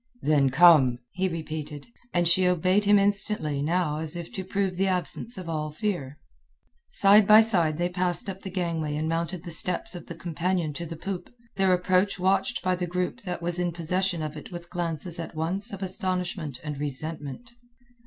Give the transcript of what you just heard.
"Then come," he repeated, and she obeyed him instantly now as if to prove the absence of all fear. Side by side they passed up the gangway and mounted the steps of the companion to the poop, their approach watched by the group that was in possession of it with glances at once of astonishment and resentment.